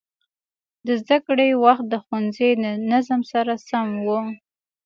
د زده کړې وخت د ښوونځي د نظم سره سم و.